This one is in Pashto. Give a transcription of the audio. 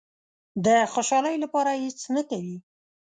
د خوشالۍ لپاره هېڅ نه کوي.